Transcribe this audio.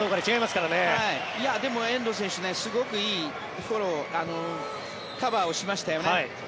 すごくいいフォローカバーをしましたよね。